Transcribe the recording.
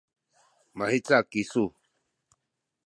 mahica kisu?